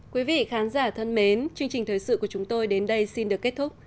quý vị khán giả thân mến chương trình thời sự của chúng tôi đến đây xin được kết thúc